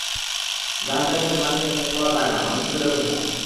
ঘাসও এখানে মাটি থেকে খাবার পায় না, মানুষ তো দূরের কথা।